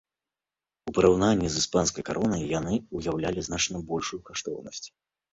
У параўнанні з іспанскай каронай яны ўяўлялі значна большую каштоўнасць.